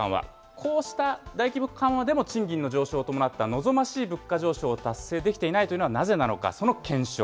こうした大規模緩和でも、賃金の上昇を伴った望ましい物価上昇を達成できていないというのはなぜなのか、その検証。